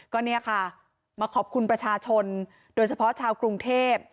ก็เนี่ยค่ะมาขอบคุณประชาชนโดยเฉพาะชาวกรุงเทพ